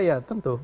iya iya tentu